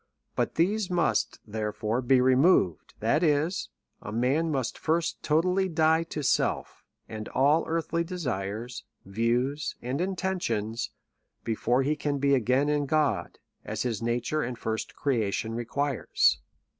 But these must, there * fore, be removed : that is, a man must first totally die to self, and all earthly desires, views, and intentions, be fore he can be again in God, as his nature and first creation requires.